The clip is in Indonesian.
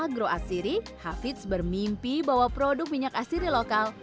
agro asiri hafidz bermimpi bahwa produk minyak asiri lokal